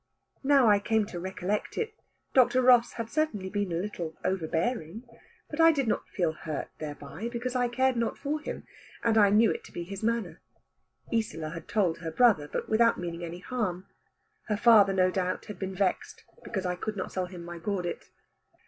Now I came to recollect it, Dr. Ross had certainly been a little overbearing, but I did not feel hurt thereby, because I cared not for him, and knew it to be his manner. Isola had told her brother, but without meaning any harm. Her father no doubt had been vexed, because I could not sell him my gordit.